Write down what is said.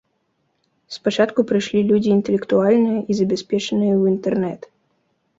Спачатку прыйшлі людзі інтэлектуальныя і забяспечаныя ў інтэрнэт.